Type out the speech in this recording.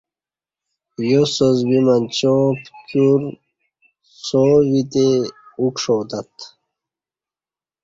یاساس بی منچاں پکیور څاو دی اُکݜاتت